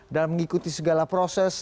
dalam mengikuti segala proses